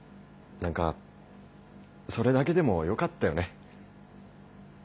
何かそれだけでもよかったよね。